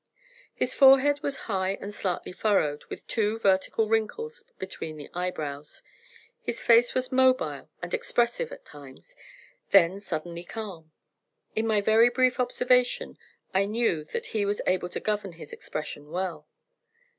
His forehead was high and slightly furrowed with two vertical wrinkles between the eyebrows. His face was mobile and expressive at times, then suddenly calm. In my very brief observation I knew that he was able to govern its expression well.